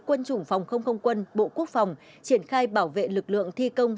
quân chủng phòng không không quân bộ quốc phòng triển khai bảo vệ lực lượng thi công